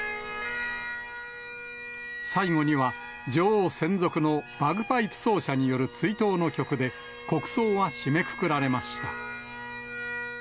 最後には、女王専属のバグパイプ奏者による追悼の曲で、国葬は締めくくられました。